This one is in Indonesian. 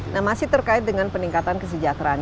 nah masih terkait dengan peningkatan kesejahteraan